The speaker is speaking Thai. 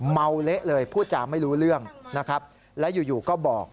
เละเลยพูดจาไม่รู้เรื่องนะครับและอยู่ก็บอก